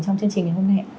chương trình ngày hôm nay